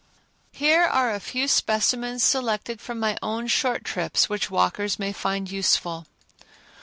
Here are a few specimens selected from my own short trips which walkers may find useful.